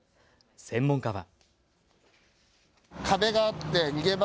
専門家は。